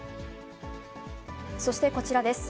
そして、こちらです。